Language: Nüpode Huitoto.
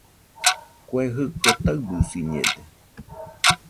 Kue jɨko taɨbɨsiñede